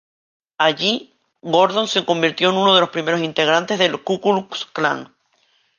Allí, Gordon se convirtió en uno de los primeros integrantes del Ku Klux Klan.